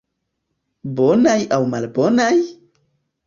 Bonaj aŭ malbonaj?